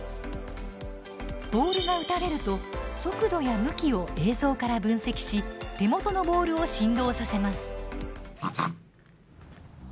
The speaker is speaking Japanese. ボールが打たれると速度や向きを映像から分析し手元のボールを振動させます。